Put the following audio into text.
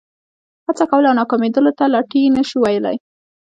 هڅه کول او ناکامېدلو ته لټي نه شو ویلای.